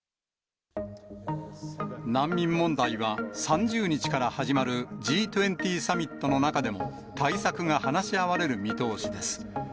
難民問題は３０日から始まるＧ２０サミットの中でも、対策が話し合われる見通しです。